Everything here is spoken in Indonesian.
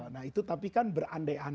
nah itu tapi kan berantakan